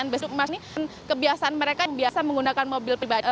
yang berasal dari kebiasaan mereka yang biasa menggunakan mobil pribadi